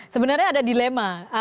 sebenarnya ada dilema